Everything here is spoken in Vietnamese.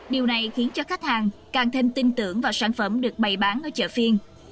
điều này khiến cho khách hàng càng thêm tin tưởng vào sản phẩm được bày bán ở chợ phiên